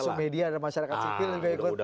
terus media ada masyarakat sipil yang ikut